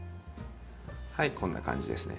はいこんな感じですね。